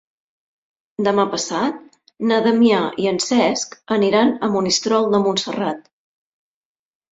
Demà passat na Damià i en Cesc aniran a Monistrol de Montserrat.